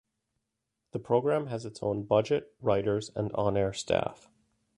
The program has its own budget, writers and on-air staff.